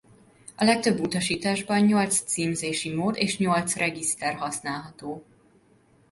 A legtöbb utasításban nyolc címzési mód és nyolc regiszter használható.